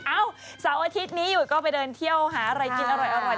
เอ้าเสาร์อาทิตย์นี้หยุดก็ไปเดินเที่ยวหาอะไรกินอร่อย